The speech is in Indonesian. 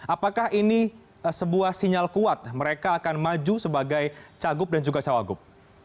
apakah ini sebuah sinyal kuat mereka akan maju sebagai cagup dan juga cawagup